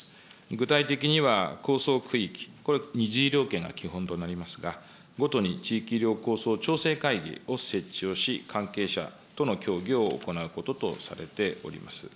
具体的には、構想区域、これ２次医療圏が基本となりますが、ごとに地域医療構想調整会議を設置をし、関係者との協議を行うこととされております。